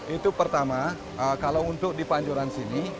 itu pertama kalau untuk di panjuran sini